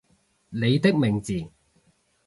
你的名字